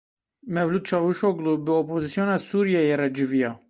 Mevlut Çavuşoglu bi opozîsyona Sûriyeyê re civiya.